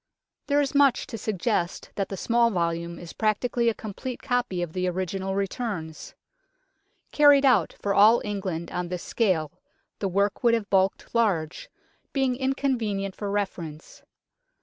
There is much to suggest that the small volume is practically a complete copy of the original returns. Carried out for all England on this scale, the work would have bulked large, being inconvenient for refer ence.